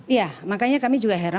iya makanya kami juga heran